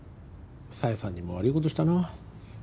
紗英さんにも悪いことしたな。